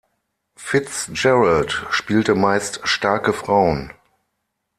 Fitzgerald spielte meist starke Frauen.